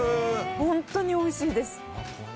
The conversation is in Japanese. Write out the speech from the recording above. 本当においしいです。